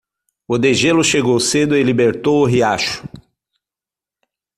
O degelo chegou cedo e libertou o riacho.